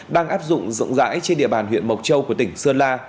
đang áp dụng rộng rãi trên địa bàn huyện mộc châu của tỉnh sơn la